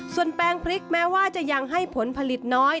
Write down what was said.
ส่วนแปลงพริกแม้ว่าจะยังให้ผลผลิตน้อย